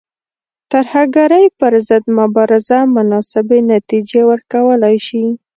ترهګرۍ پر ضد مبارزه مناسبې نتیجې ورکولای شي.